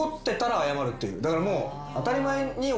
だからもう。